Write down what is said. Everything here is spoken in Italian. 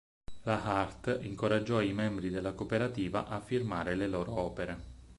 La Hart incoraggiò i membri della cooperativa a firmare le loro opere.